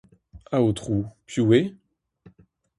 Aotrou, piv eo ?